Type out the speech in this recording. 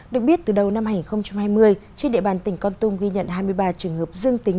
được biết từ đầu năm hai nghìn hai mươi trên địa bàn tỉnh con tum ghi nhận hai mươi ba trường hợp dương tính